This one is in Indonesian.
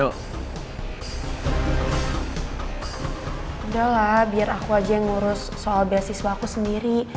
udahlah biar aku aja yang ngurus soal beasiswa aku sendiri